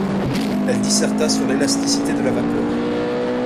Elle disserta sur l'élasticité de la vapeur.